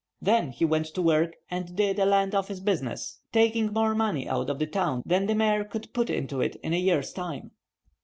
Then he went to work and did a land office business, taking more money out of the town than the Mayor could put into it in a year's time.